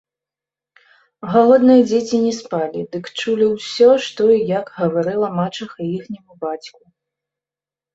Галодныя дзеці не спалі, дык чулі ўсё, што і як гаварыла мачыха іхняму бацьку